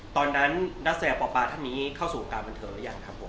ตอนนั้นนักแสดงปปาท่านนี้เข้าสู่วงการบันเทิงหรือยังครับผม